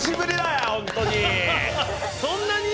そんなに？